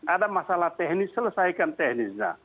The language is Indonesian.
ada masalah teknis selesaikan teknisnya